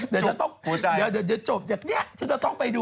ถ้าข้างหลังแทงข้างหลังแล้ว